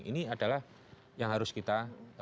ini adalah yang harus kita